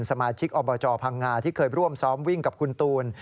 สมาชิกอบจพังงาที่เคยร่วมซ้อมวิ่งกับคุณตูน